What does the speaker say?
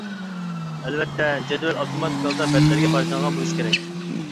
ئەلۋەتتە جەدۋەل ئاپتوماتىك ھالدا بەتلەرگە پارچىلانغان بولۇشى كېرەك.